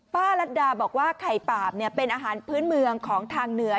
รัดดาบอกว่าไข่ปาบเป็นอาหารพื้นเมืองของทางเหนือ